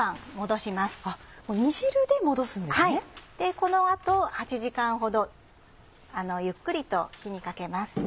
この後８時間ほどゆっくりと火にかけます。